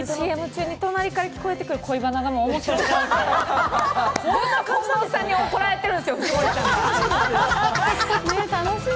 ＣＭ中に隣から聞こえてくる恋バナも面白くて。